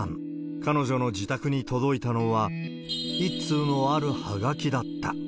彼女の自宅に届いたのは一通のあるはがきだった。